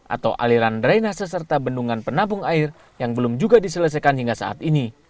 atau aliran drainah seserta bendungan penabung air yang belum juga diselesaikan hingga saat ini